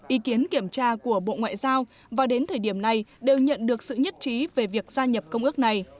ý kiến kiểm tra của bộ ngoại giao và đến thời điểm này đều nhận được sự nhất trí về việc gia nhập công ước này